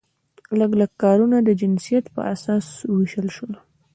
لږ لږ کارونه د جنسیت په اساس وویشل شول.